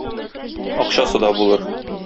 Акчасы да булыр.